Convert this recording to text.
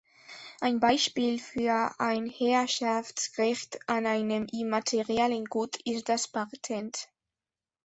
Ein Beispiel für ein Herrschaftsrecht an einem immateriellen Gut ist das Patent.